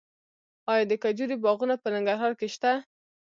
آیا د کجورې باغونه په ننګرهار کې شته؟